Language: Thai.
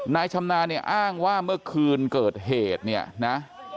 นายชำนาญเนี่ยอ้างว่าเมื่อคืนเกิดเหตุเนี่ยนะ